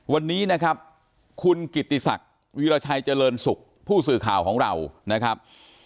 วันนี้นะครับคุณกิติศักดิ์วิราชัยเจริญสุขผู้สื่อข่าวของเรานะครับ